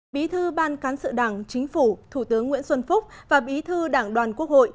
bí thư ban cán sự đảng chính phủ thủ tướng nguyễn xuân phúc và bí thư đảng đoàn quốc hội